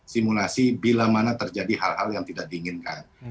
simulasi bila mana terjadi hal hal yang tidak diinginkan